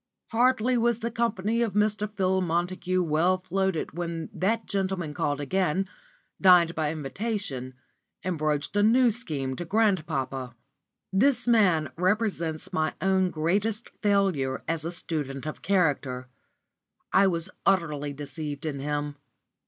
Hardly was the company of Mr. Phil Montague well floated when that gentleman called again, dined by invitation, and broached a new scheme to grandpapa. This man represents my own greatest failure as a student of character. I was utterly deceived in him.